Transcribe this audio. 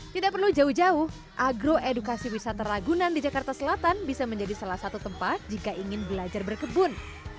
tidak perlu jauh jauh agroedukasi wisata ragunan di jakarta selatan bisa menjadi salah satu tempat jika ingin belajar berkebun